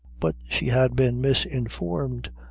But she had been misinformed.